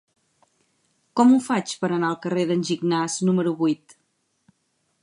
Com ho faig per anar al carrer d'en Gignàs número vuit?